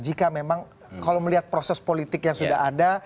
jika memang kalau melihat proses politik yang sudah ada